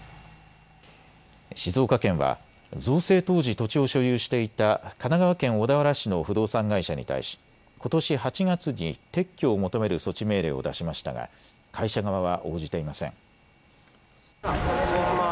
静岡県は造成当時土地を所有していた神奈川県小田原市の不動産会社に対し、ことし８月に撤去を求める措置命令を出しましたが会社側は応じていません。